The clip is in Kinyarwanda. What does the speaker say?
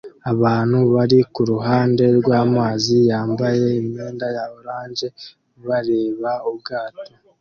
Abantu bari kuruhande rwamazi yambaye imyenda ya orange bareba ubwato